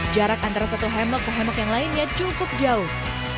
jarak antara satu hemok ke hemok yang lainnya cukup jauh